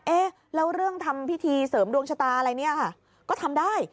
เอ๊ะแล้วเรื่องทำพิธีเสริมดวงชะตาอะไรเนี่ยค่ะก็ทำได้